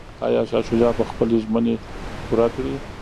ایا شاه شجاع به خپلي ژمني پوره کړي؟